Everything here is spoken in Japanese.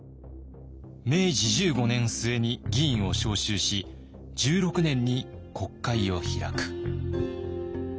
明治十五年末に議員を召集し十六年に国会を開く」。